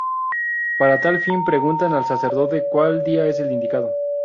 Para tal fin preguntan al sacerdote cual día es el indicado.